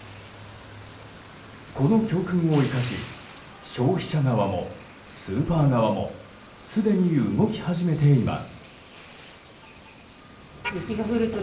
この教訓を生かし消費者側もスーパー側もすでに動き始めています。